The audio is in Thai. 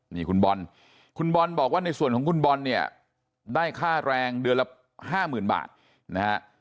นี่คุณบอลคุณบอลบอกว่าในส่วนของคุณบอลเนี่ยได้ค่าแรงเดือนละ๕๐๐๐บาทนะฮะ